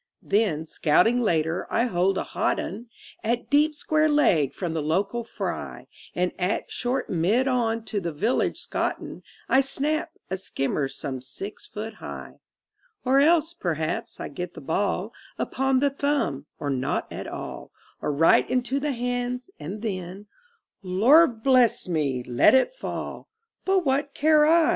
Then, scouting later, I hold a hot un At deep square leg from the local Fry, And at short mid on to the village Scotton I snap a skimmer some six foot high Or else, perhaps, I get the ball, Upon the thumb, or not at all, Or right into the hands, and then, lorblessme, let it fall. But what care I?